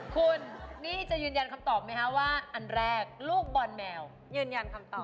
คุณนี่จะยืนยันคำตอบไหมคะว่าอันแรกลูกบอลแมวยืนยันคำตอบ